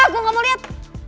gue gak mau liat